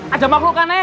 ada makhluk kan eh